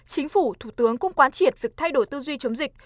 chính phủ thủ tướng cũng quán triệt việc thay đổi tư duy chống dịch